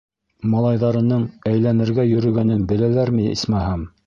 Малайҙарының әйләнергә йөрөгәнен беләләрме, исмаһам?